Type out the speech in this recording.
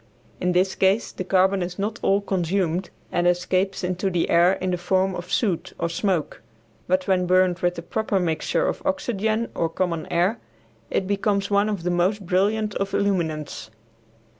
In this case the carbon is not all consumed and escapes into the air in the form of soot or smoke, but when burned with the proper mixture of oxygen or common air it becomes one of the most brilliant of illuminants.